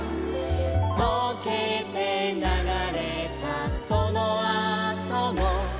「とけてながれたそのあとも」